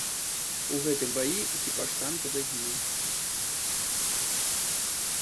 У гэтым баі экіпаж танка загінуў.